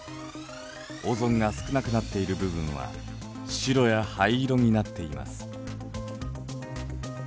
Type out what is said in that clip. オゾンが少なくなっている部分は白や灰色になっています。